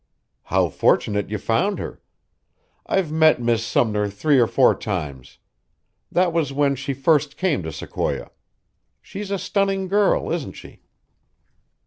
"How fortunate you found her! I've met Miss Sumner three or four times. That was when she first came to Sequoia. She's a stunning girl, isn't she?"